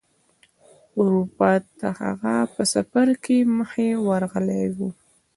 اروپا ته د هغه په سفر کې مخې ورغلی و.